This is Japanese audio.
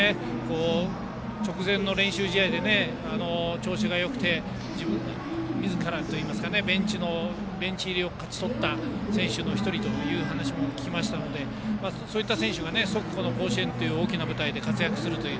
直前の練習試合で調子がよくてみずからベンチ入りを勝ち取った選手の１人という話も聞きましたのでそういった選手が甲子園という大きな舞台で活躍するという。